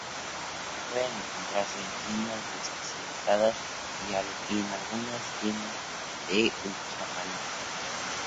Pueden encontrarse en tiendas de especializadas y en algunas tiendas de ultramarinos.